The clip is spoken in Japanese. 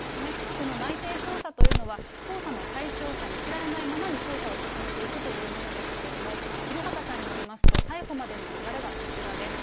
この内偵捜査というのは、捜査の対象者に知られないままに捜査を進めていくというものですけれども、廣畑さんによりますと、逮捕までの流れがこちらです。